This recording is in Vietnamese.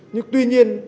nhưng tuy nhiên